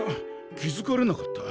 気づかれなかった。